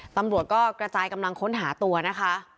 ตำรวจก็กระจายกำลังค้นหาตัวนะคะ